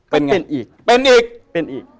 เป็นอยู่อยู่ดี